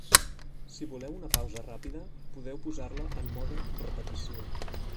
Si voleu una pausa ràpida, podeu posar-la en mode repetició.